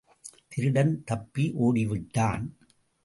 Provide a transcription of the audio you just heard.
திருடன் தப்பி ஓடிவிட்டான்.